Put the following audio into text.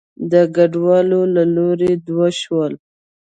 د کډوالو له لوري دود شول.